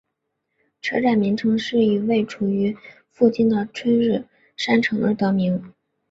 车站名称是以位处附近的春日山城而得名。